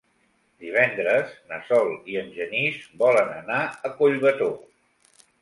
Divendres na Sol i en Genís volen anar a Collbató.